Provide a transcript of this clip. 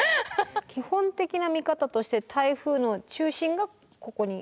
基本的な見方として台風の中心がここに。